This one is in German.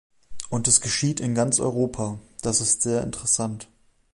Und es geschieht in ganz Europa, das ist sehr interessant.